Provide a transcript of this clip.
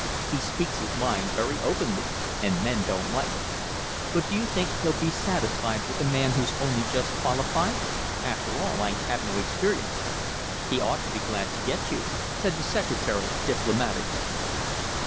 He speaks his mind very openly, and men don't like it." "But d'you think he'll be satisfied with a man who's only just qualified? After all I have no experience." "He ought to be glad to get you," said the secretary diplomatically.